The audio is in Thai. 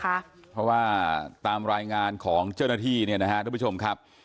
เพราะว่าตามรายงานของเจ้าหน้าที่เนี่ยนะฮะทุกผู้ชมครับ